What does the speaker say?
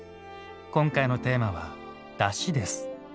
今回のテーマは「だし」です。